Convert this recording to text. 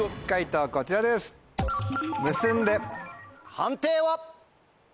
判定は？